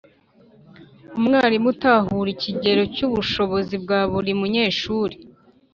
Umwarimu atahura ikigero cy’ubushobozi bwa buri munyeshuri